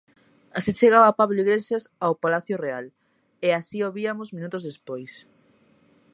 Así chegaba Pablo Iglesias ao Palacio Real, e así o viamos minutos despois.